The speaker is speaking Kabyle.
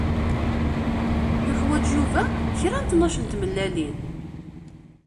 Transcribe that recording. Yuḥwaǧ Yuba kra n tnac n tmellalin.